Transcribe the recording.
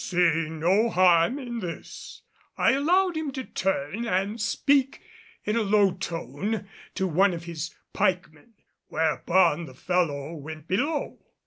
Seeing no harm in this, I allowed him to turn and speak in a low tone to one of his pikemen, whereupon the fellow went below.